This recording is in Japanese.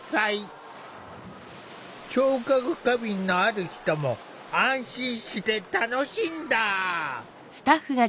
聴覚過敏のある人も安心して楽しんだ。